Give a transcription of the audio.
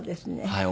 はい。